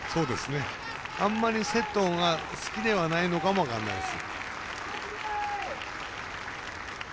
あんまリセットが好きではないのかも分かんないです。